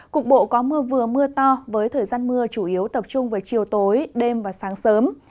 cục bộ có mưa vừa mưa to với thời gian mưa chủ yếu tập trung về chiều tối đêm và sáng sớm